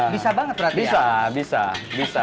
bisa banget berarti ya bisa bisa bisa